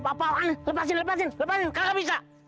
hehehe apa apaan lepasin lepasin lepasin kakak bisa